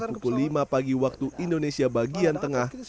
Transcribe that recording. pukul lima pagi waktu indonesia bagian tengah